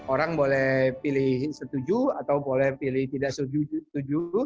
orang boleh pilih setuju atau boleh pilih tidak setuju